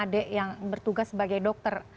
adik yang bertugas sebagai dokter